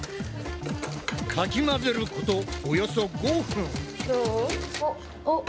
かき混ぜることおよそ５分。